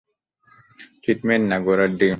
Treatment না ঘোড়ার ডিম!